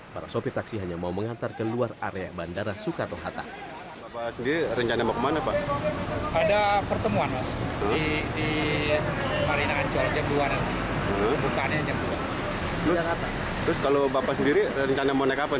para sopir taksi hanya mau mengantar ke luar area bandara soekarno hatta